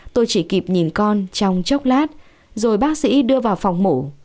tôi chỉ kịp nhìn con trong chốc lát rồi bác sĩ đưa vào phòng mổ